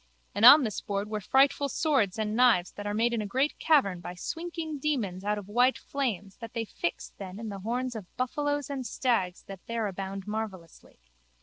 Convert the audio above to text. And on this board were frightful swords and knives that are made in a great cavern by swinking demons out of white flames that they fix then in the horns of buffalos and stags that there abound marvellously.